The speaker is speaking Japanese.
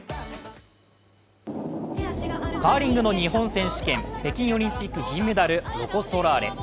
カーリングの日本選手権、北京オリンピック銀メダル・ロコ・ソラーレ。